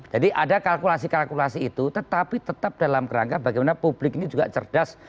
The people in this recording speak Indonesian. jadi ada kalkulasi kalkulasi itu tetapi tetap dalam kerangka bagaimana publik ini juga cerdas